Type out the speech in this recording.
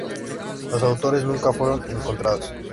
Los autores nunca fueron encontrados.